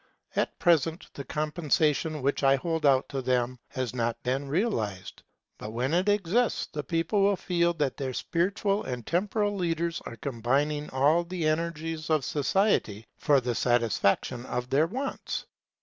At present, the compensation which I hold out to them has not been realized; but when it exists, the people will feel that their spiritual and temporal leaders are combining all the energies of society for the satisfaction of their wants.